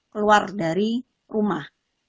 keluar dari rumah